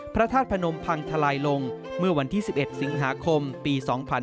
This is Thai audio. พระธาตุพนมพังทลายลงเมื่อวันที่๑๑สิงหาคมปี๒๕๕๙